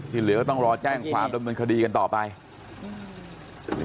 เหลือก็ต้องรอแจ้งความดำเนินคดีกันต่อไปอืม